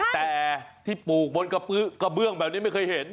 แต่ที่ปลูกบนกระเบื้องแบบนี้ไม่เคยเห็น